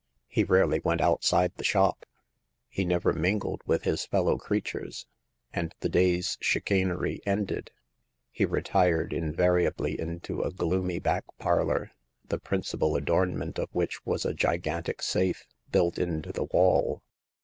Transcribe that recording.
He rarely went outside the shop ; he 10 Hagar of the Pawn Shop. never mingled with his fellow creatures ; and, the day's chicanery ended, he retired invariably into a gloomy back parlor, the principal adorn ment of which was a gigantic safe built into the wall.